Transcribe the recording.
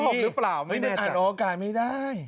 มันอาจออกอาการไม่ได้